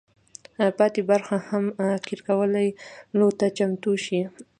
پاتې برخې هم قیر کولو ته چمتو شي.